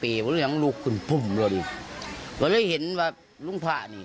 ผลอยู่ถึงหลุงพุ้มบ่นี้ก็ได้เห็นว่าลุงพักษีนี้